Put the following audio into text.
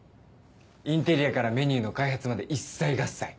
インテリアからメニューの開発まで一切合切。